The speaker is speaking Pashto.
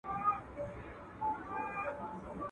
د اغیارو په محبس کي د « امان » کیسه کومه `